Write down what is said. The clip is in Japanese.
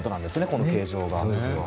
この形状が。